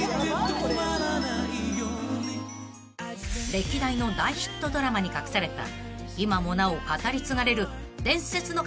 ［歴代の大ヒットドラマに隠された今もなお語り継がれる伝説の数々が明らかに］